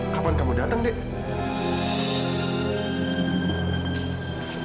kapan kamu dateng deh